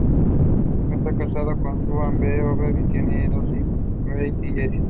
Esta casado con Susan B. Hodder y tiene dos hijos: Reed y Jace.